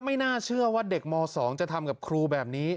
ไม่น่าเชื่อว่าเด็กม๒จะทำกับครูแบบนี้